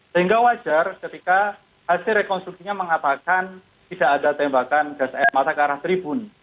sehingga wajar ketika hasil rekonstruksinya mengatakan tidak ada tembakan gas air mata ke arah tribun